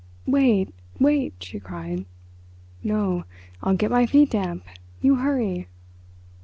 "Wait, wait!" she cried. "No. I'll get my feet damp—you hurry."